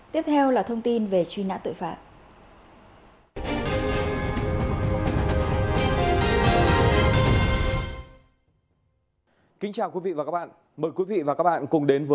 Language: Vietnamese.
tiếp theo là thông tin về truy nã tội phạm